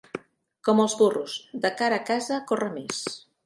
Com els burros, de cara a casa corre més.